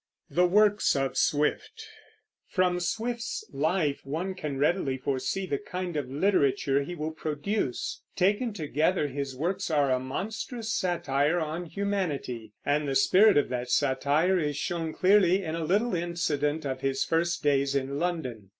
THE WORKS OF SWIFT. From Swift's life one can readily foresee the kind of literature he will produce. Taken together his works are a monstrous satire on humanity; and the spirit of that satire is shown clearly in a little incident of his first days in London.